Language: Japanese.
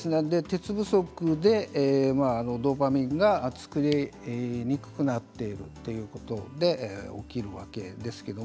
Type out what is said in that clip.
鉄不足でドーパミンが作りにくくなっているということで起きるわけです。